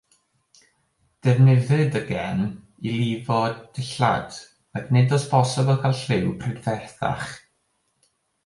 Defnyddid y cen i lifo dillad, ac nid oes bosibl cael lliw prydferthach.